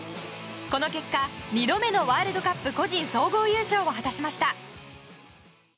この結果、二度目のワールドカップ個人総合優勝を果たしました。